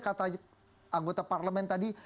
kata anggota parlemen tadi